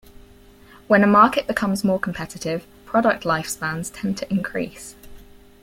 When a market becomes more competitive, product lifespans tend to increase.